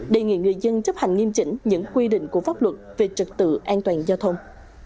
đề nghị người dân chấp hành nghiêm chỉnh những quy định của pháp luật về trật tự an toàn giao thông